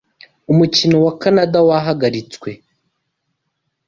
umukino wa Kanadawahagaritswe